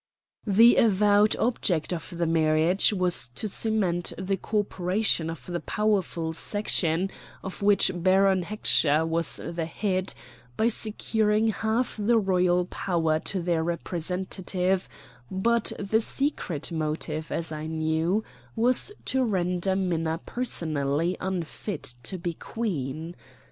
The avowed object of the marriage was to cement the co operation of the powerful section of which Baron Heckscher was the head, by securing half the royal power to their representative; but the secret motive, as I knew, was to render Minna personally unfit to be Queen.